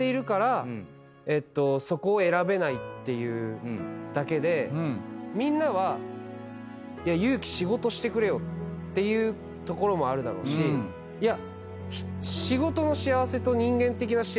ていうだけでみんなは「裕貴仕事してくれよ」っていうところもあるだろうしいや。